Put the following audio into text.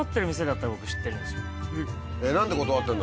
何で断ってるの？